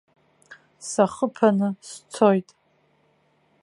Сахыԥаны сцоит.